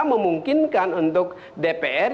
memungkinkan untuk dpr